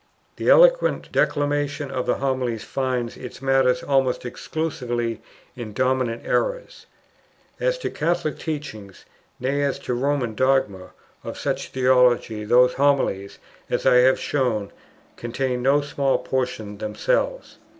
The eloquent declamation of the Homilies finds its matter almost exclusively in the dominant errors. As to Catholic teaching, nay as to Roman dogma, of such theology those Homilies, as I have shown, contained no small portion themselves.